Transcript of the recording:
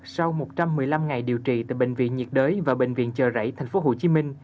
sau một trăm một mươi năm ngày điều trị tại bệnh viện nhiệt đới và bệnh viện chợ rẫy tp hcm